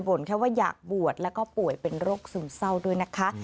แค่ว่าอยากบวชแล้วก็ป่วยเป็นโรคซึมเศร้าด้วยนะคะ